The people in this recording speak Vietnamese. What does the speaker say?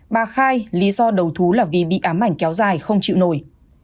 bà khai lý do đầu thú là vì bị ám ảnh kéo dài không chịu nổi